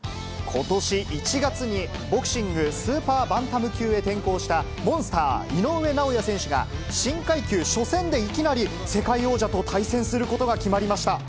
ことし１月に、ボクシングスーパーバンタム級へ転向したモンスター、井上尚弥選手が新階級初戦でいきなり、世界王者と対戦することが決まりました。